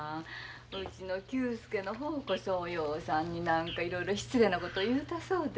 うちの久助の方こそ陽さんに何かいろいろ失礼なこと言うたそうで。